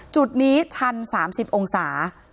จุดนี้ชัน๓๐องศา